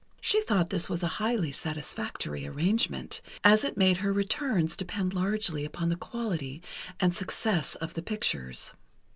She thought this a highly satisfactory arrangement, as it made her returns depend largely upon the quality and success of the pictures.